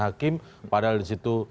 hakim padahal disitu